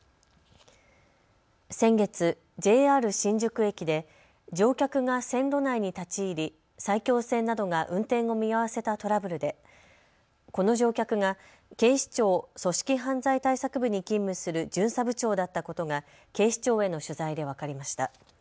先月、ＪＲ新宿駅で乗客が線路内に立ち入り埼京線などが運転を見合わせたトラブルでこの乗客が警視庁組織犯罪対策部に勤務する巡査部長だったことが警視庁への取材で分かりました。